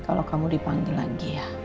kalau kamu dipanggil lagi ya